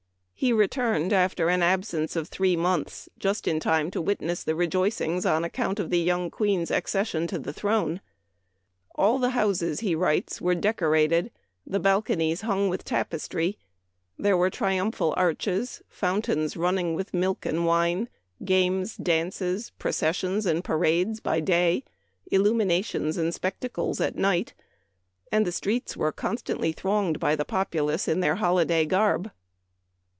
He returned, after an absence of three months, just in time to witness the rejoicings on account of the young Queen's accession to the throne. " All the houses," he writes, " were decorated, the balconies hung with tapestry ; there were triumphal arches, fountains running with milk and wine, games, dances, processions and parades by day, illuminations and spectacles at night, and the streets were constantly thronged by the populace in their holiday garb."